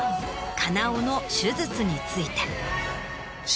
金尾の手術について。